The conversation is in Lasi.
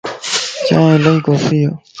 چائين الائي ڪوسيَ